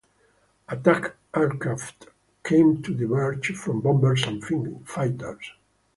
Attack aircraft came to diverge from bombers and fighters.